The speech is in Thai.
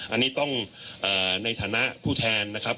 อันนี้ต้องในฐานะผู้แทนนะครับ